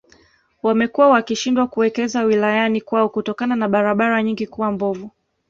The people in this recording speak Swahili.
Wamekuwa wakishindwa kuwekeza wilayani kwao kutokana na barabara nyingi kuwa mbovu